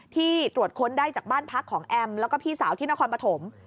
ตรวจค้นได้จากบ้านพักของแอมแล้วก็พี่สาวที่นครปฐม